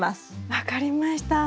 分かりました。